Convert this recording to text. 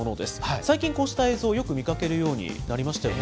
最近、こうした映像をよく見かけるようになりましたよね。